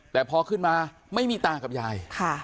แต่พอขึ้นมาไม่มีตากับยาย